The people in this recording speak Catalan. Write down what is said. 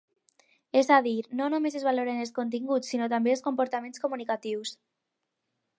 És a dir, no només es valoren els continguts sinó també els comportaments comunicatius.